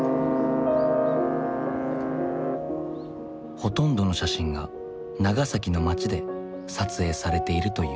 ほとんどの写真が長崎の街で撮影されているという。